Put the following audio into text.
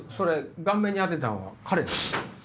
顔面に当てたんは。